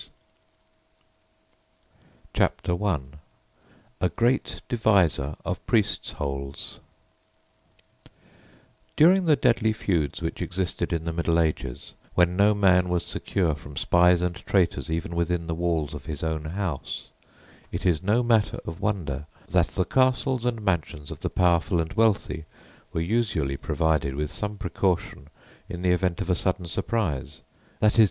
SECRET CHAMBERS AND HIDING PLACES CHAPTER I A GREAT DEVISER OF "PRIEST'S HOLES" During the deadly feuds which existed in the Middle Ages, when no man was secure from spies and traitors even within the walls of his own house, it is no matter of wonder that the castles and mansions of the powerful and wealthy were usually provided with some precaution in the event of a sudden surprise _viz.